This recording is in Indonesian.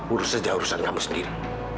urus saja urusan kamu sendiri